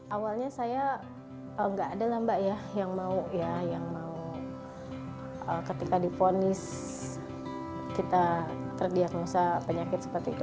awalnya saya tidak ada yang mau ketika diponis kita terdiagnosa penyakit seperti itu